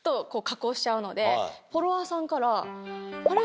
フォロワーさんから。